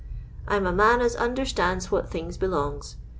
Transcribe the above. I'm a man as understands what things belongs.